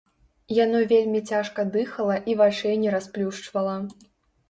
Яно вельмі цяжка дыхала і вачэй не расплюшчвала.